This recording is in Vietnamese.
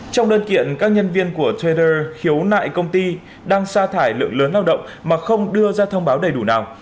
trong đơn kiện các nhân viên của tter khiếu nại công ty đang xa thải lượng lớn lao động mà không đưa ra thông báo đầy đủ nào